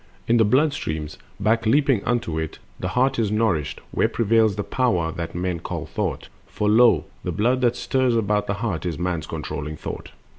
In the blood streams, back leaping unto it, The heart is nourished, where prevails the power That men call thought; for lo the blood that stirs About the heart is man's controlling thought.